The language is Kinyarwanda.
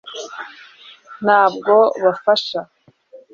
ntabwo bafasha